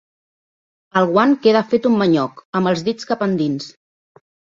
El guant queda fet un manyoc, amb els dits cap endins.